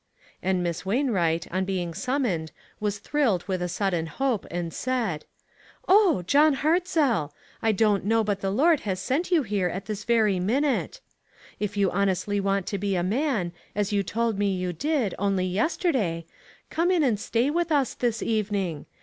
And Miss Wainwright, on being sum moned, was thrilled with a sudden hope, and said : "O John Hartzell! I don't know but the Lord sent you here at this very min ute. If you honestly want to be a man, as you told me you did only yesterday, come in and stay with us this evening.